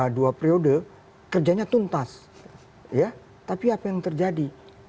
dua periode kerjanya tuntas tapi apa yang terjadi